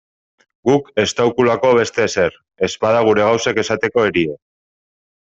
Guk estaukulako beste ezer, ezpada gure gauzek esateko erie.